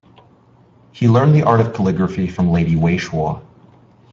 He learned the art of calligraphy from Lady Wei Shuo.